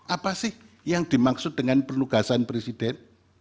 apa sih yang dimaksud dengan penugasan presiden